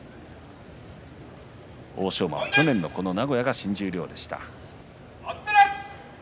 欧勝馬は去年のこの名古屋が新十両でした。